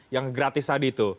yang gratis tadi itu